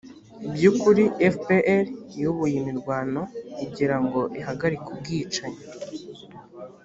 by ukuri fpr yubuye imirwano igira ngo ihagarike ubwicanyi